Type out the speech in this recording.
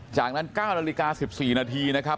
จากนั้น๙นาฬิกา๑๔นาทีนะครับ